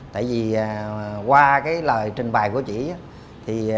tại vì qua lời trình bày của chị